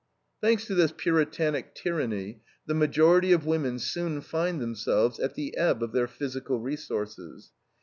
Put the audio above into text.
Thanks to this Puritanic tyranny, the majority of women soon find themselves at the ebb of their physical resources.